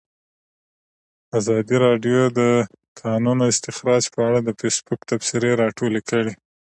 ازادي راډیو د د کانونو استخراج په اړه د فیسبوک تبصرې راټولې کړي.